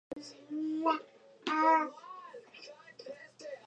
The Oriskany plant was initially retained for aftermarket support only.